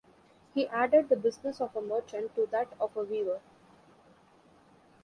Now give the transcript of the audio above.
He added the business of a merchant to that of a weaver.